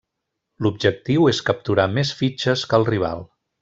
L'objectiu és capturar més fitxes que el rival.